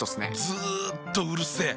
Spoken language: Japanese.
ずっとうるせえ。